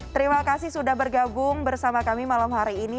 terima kasih sudah bergabung bersama kami malam hari ini